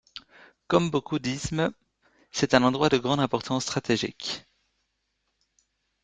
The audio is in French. Comme beaucoup d'isthmes, c'est un endroit de grande importance stratégique.